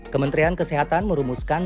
kementerian kesehatan merumuskan